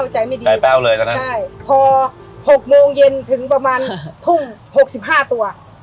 ใช่พอ๖โมงเย็นถึงประมาณทุ่ง๖๕ตัว